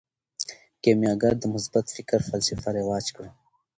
کیمیاګر د مثبت فکر فلسفه رواج کړه.